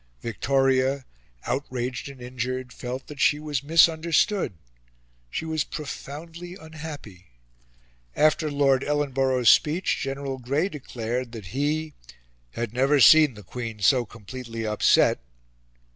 Victoria, outraged and injured, felt that she was misunderstood. She was profoundly unhappy. After Lord Ellenborough's speech, General Grey declared that he "had never seen the Queen so completely upset."